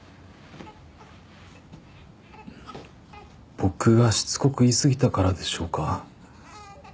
僕がしつこく言いすぎたからでしょうか。